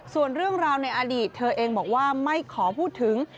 ส่วนเรื่องราวในอดีตเธอเองบอกว่าไม่ขอพูดถึง